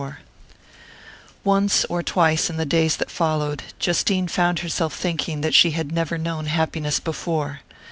XXXIV ONCE or twice, in the days that followed, Justine found herself thinking that she had never known happiness before.